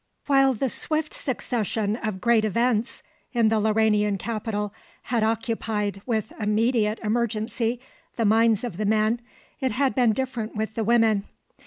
While the swift succession of great events in the Lauranian capital had occupied with immediate emergency the minds of the men, it had been different with the women.